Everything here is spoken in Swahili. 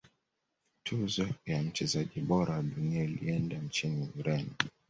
tuzo ya mchezaji bora wa dunia ilienda nchini ureno